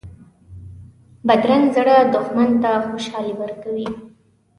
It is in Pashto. بدرنګه زړه دښمن ته خوشحالي ورکوي